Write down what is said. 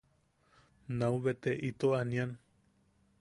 Naubete ito aanian.